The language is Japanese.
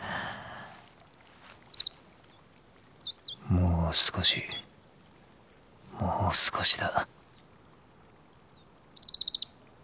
もう少しもう少しだ。